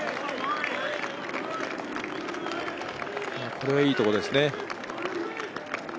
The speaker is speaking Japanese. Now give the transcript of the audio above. これはいいところですね。